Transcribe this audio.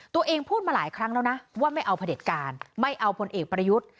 ตัวเองพูดมาหลายครั้งแล้วนะว่าไม่เอาผลติดการไม่เอาผลเอกประยุทธิ์